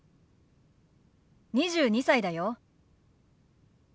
２２歳だよ。ＯＫ。